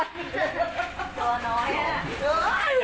จอน้อยน่ะ